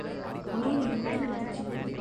ஒரே நேரத்தில் ஒதுச் செய்வது.